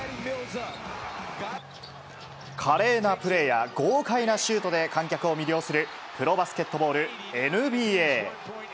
華麗なプレーや、豪快なシュートで観客を魅了する、プロバスケットボール・ＮＢＡ。